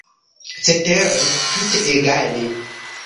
Cetere, tute egale?